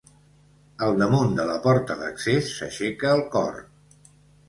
Al damunt de la porta d'accés s'aixeca el cor.